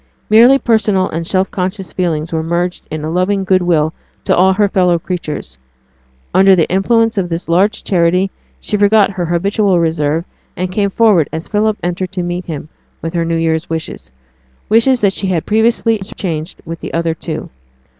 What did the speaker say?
Merely personal and self conscious feelings were merged in a loving good will to all her fellow creatures. Under the influence of this large charity, she forgot her habitual reserve, and came forward as Philip entered to meet him with her new year's wishes wishes that she had previously interchanged with the other two.